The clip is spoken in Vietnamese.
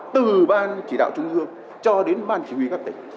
từ ban chỉ đạo trung ương cho đến ban chỉ huy các tỉnh